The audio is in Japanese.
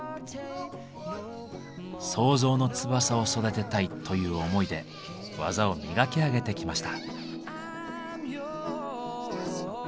「創造の翼を育てたい」という思いで技を磨き上げてきました。